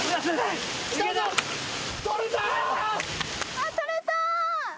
あっ取れた！